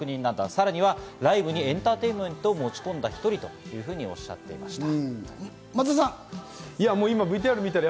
さらにはライブにエンターテインメントを持ち込んだ一人だとおっしゃっていました。